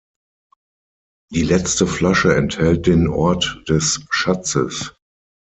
Die letzte Flasche enthält den Ort des Schatzes.